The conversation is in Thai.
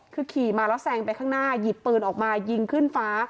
คือขี่มาแล้วแซงไปข้างหน้าหยิบปืนออกมายิงขึ้นฟ้า